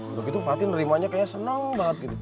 udah gitu patin nerimanya kayak senang banget gitu